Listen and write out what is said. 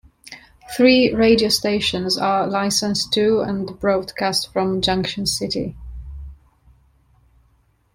Three radio stations are licensed to and broadcast from Junction City.